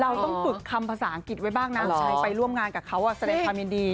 เราต้องฝึกคำภาษาอังกฤษไว้บ้างนะไปร่วมงานกับเขาแสดงความยินดี